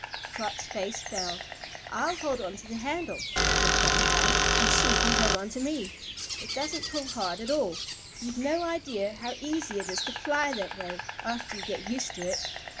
Trot's face fell. "I'll hold on to the handle," said Button Bright, "and she can hold on to me. It doesn't pull hard at all. You've no idea how easy it is to fly that way after you get used to it."